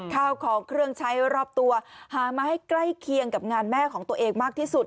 ข้าวของเครื่องใช้รอบตัวหามาให้ใกล้เคียงกับงานแม่ของตัวเองมากที่สุด